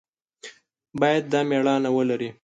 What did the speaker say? باید دا مېړانه ولري.